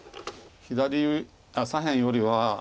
左左辺よりは。